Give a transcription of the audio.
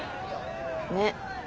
ねっ。